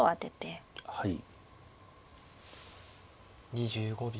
２５秒。